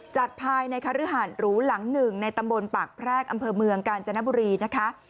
จัดภายในคฤหารหรูหลังหนึ่งในตำบลปากแพรกอำเภอเมืองกาญจนบุรีนะคะ